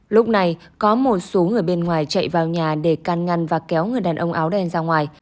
lúc này có một số người bên ngoài chạy vào nhà để can ngăn và kéo người đàn ông áo đen ra ngoài